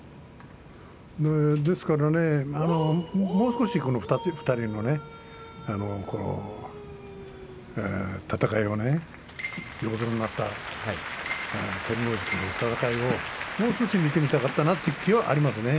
ですからねもう少し２人の戦いを横綱になった照ノ富士との戦いをもう少し見てみたかったなという気はありますね